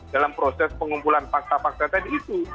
dalam proses pengumpulan fakta fakta tadi itu